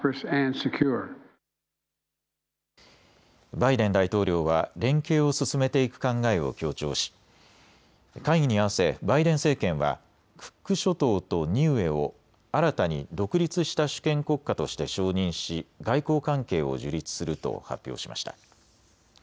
バイデン大統領は連携を進めていく考えを強調し会議に合わせバイデン政権はクック諸島とニウエを新たに独立した主権国家として承認し、外交関係を樹立すると発表しました。